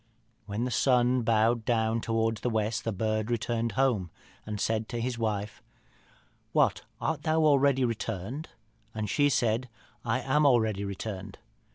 When the sun bowed down towards the west the bird returned home, and said to his wife, 'What, art thou already returned?' and she said, 'I am already returned.'